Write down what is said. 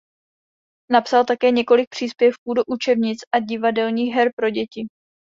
Napsal také několik příspěvků do učebnic a divadelních her pro děti.